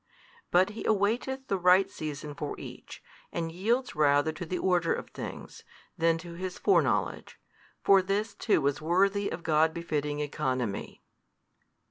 But He awaiteth the right season for each, and yields rather to the order of things, than to His foreknowledge: for this too was worthy of God befitting ceconomy.